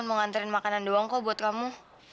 mau nganterin makanan doang kok buat kamu